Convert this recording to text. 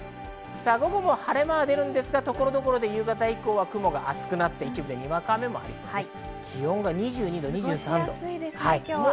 午後も晴れ間は出ますが、ところどころで夕方以降、雲が厚くなって、一部にわか雨もありそうです。